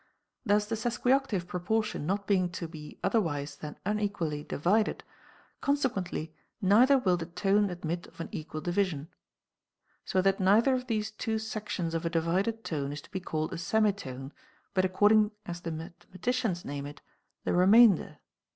Thus the sesquioctave proportion not being to be otherwise than unequally divided, consequently neither will the tone admit of an equal division. So that neither of these two sections of a divided tone is to be called a semi tone, but according as the mathematicians name it, the remainder.